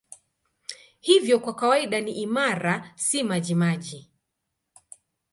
Hivyo kwa kawaida ni imara, si majimaji.